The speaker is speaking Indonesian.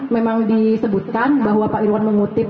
memang disebutkan bahwa pak irwan mengutip